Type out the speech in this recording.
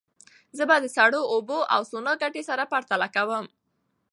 زه د سړو اوبو او سونا ګټې سره پرتله کوم.